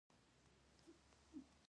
احمد په سارا ښه د زړه اور سوړ کړ.